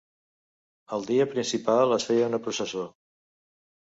El dia principal es feia una processó.